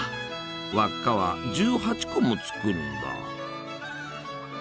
輪っかは１８個も作るんだ。